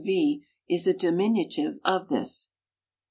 v.) is a diminu tive of this.